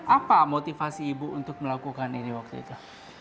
apa motivasi ibu untuk melakukan ini waktu itu